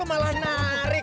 penghianat gak bisa diandalin